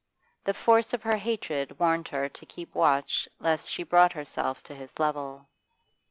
The force of her hatred warned her to keep watch lest she brought herself to his level.